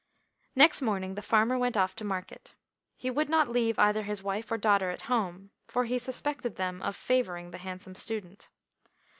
Next morning the farmer went off to market. He would not leave either his wife or daughter at home, for he suspected them of favouring the handsome student.